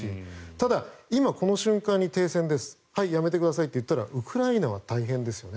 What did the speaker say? ただ、今この瞬間に停戦ですはいやめてくださいと言ったらウクライナは大変ですよね。